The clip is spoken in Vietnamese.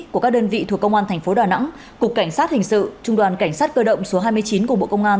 của các đơn vị thuộc công an thành phố đà nẵng cục cảnh sát hình sự trung đoàn cảnh sát cơ động số hai mươi chín của bộ công an